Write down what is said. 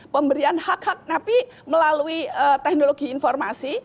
pemberian hak hak napi melalui teknologi informasi